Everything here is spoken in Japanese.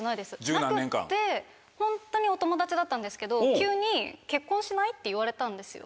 なくってホントにお友達だったんですけど急に。って言われたんですよ。